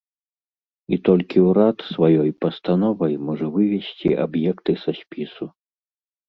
І толькі ўрад сваёй пастановай можа вывесці аб'екты са спісу.